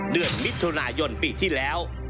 เดือนมิถุนายนปีที่แล้ว